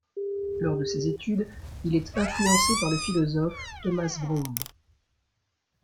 Lors de ses études, il est influencé par le philosophe Thomas Brown.